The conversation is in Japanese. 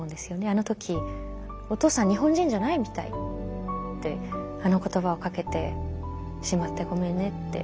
あの時「お父さん日本人じゃないみたい」ってあの言葉をかけてしまってごめんねって。